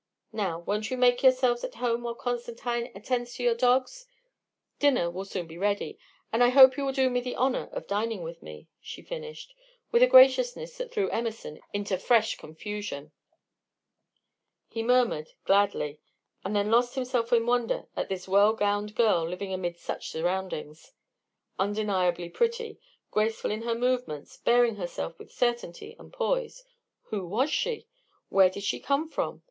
Now, won't you make yourselves at home while Constantine attends to your dogs? Dinner will soon be ready, and I hope you will do me the honor of dining with me," she finished, with a graciousness that threw Emerson into fresh confusion. He murmured "Gladly," and then lost himself in wonder at this well gowned girl living amid such surroundings. Undeniably pretty, graceful in her movements, bearing herself with certainty and poise who was she? Where did she come from?